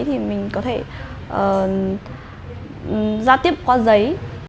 thì mình có thể giao tiếp qua giấy